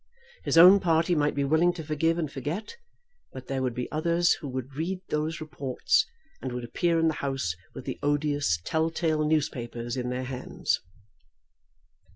His own party might be willing to forgive and forget; but there would be others who would read those reports, and would appear in the House with the odious tell tale newspapers in their hands.